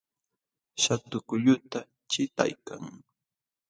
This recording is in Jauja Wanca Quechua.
Shatu kulluta chiqtaykan